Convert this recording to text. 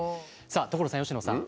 さあ所さん佳乃さん。